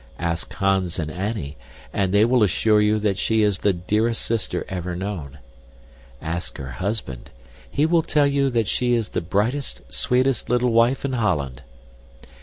Ask Hans and Annie, they will assure you that she is the dearest sister ever known. Ask her husband, he will tell you that she is the brightest, sweetest little wife in Holland.